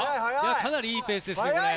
かなりいいペースですよ、速いよ。